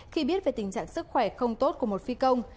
khi biết về tình trạng sức khỏe không tốt của một phi công